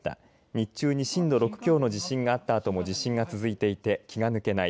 日中に震度６強の地震があったあとも地震が続いていて気が抜けない。